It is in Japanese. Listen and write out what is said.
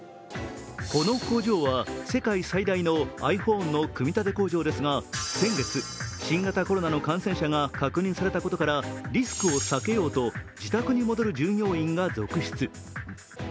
この工場は、世界最大のｉＰｈｏｎｅの組み立て工場ですが先月、新型コロナの感染者が確認されたことからリスクを避けようと自宅に戻る従業員が続出。